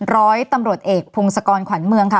ร้อยตำรวจเอกพงศกรขวัญเมืองค่ะ